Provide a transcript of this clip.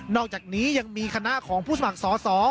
อกจากนี้ยังมีคณะของผู้สมัครสอสอ